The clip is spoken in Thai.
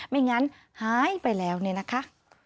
ไม่งั้นหายไปแล้วเนี่ยนะคะ